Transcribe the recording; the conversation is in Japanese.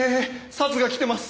サツが来てます。